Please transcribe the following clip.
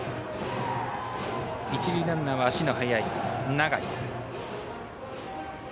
一塁ランナーは足の速い永井。